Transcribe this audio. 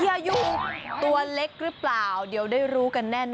อายุตัวเล็กหรือเปล่าเดี๋ยวได้รู้กันแน่นอ